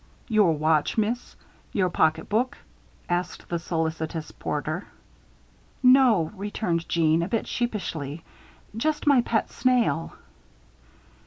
"Yore watch, Miss? Yore pocketbook?" asked the solicitous porter. "No," returned Jeanne, a bit sheepishly, "just my pet snail."